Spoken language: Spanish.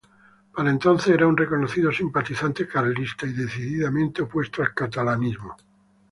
Para entonces era un reconocido simpatizante carlista y decididamente opuesto al catalanismo.